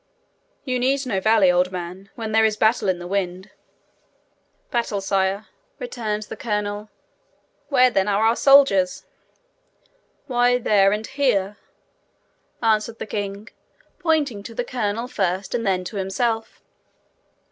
You need no valet, old man, when there is battle in the wind!' 'Battle, sire!' returned the colonel. 'Where then are our soldiers?' 'Why, there and here,' answered the king, pointing to the colonel first, and then to himself.